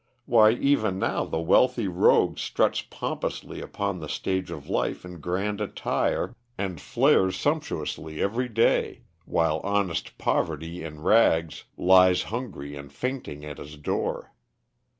Why even now the wealthy rogue struts pompously upon the stage of life in grand attire, and fares sumptuously every day; while honest poverty in rags lies hungry and fainting at his door.